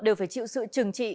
đều phải chịu sự trừng trị